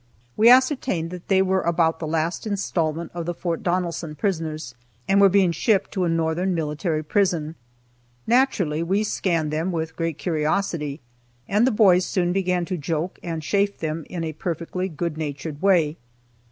We ascertained that they were about the last installment of the Fort Donelson prisoners, and were being shipped to a northern military prison. Naturally, we scanned them with great curiosity, and the boys soon began to joke and chaff them in a perfectly good natured way.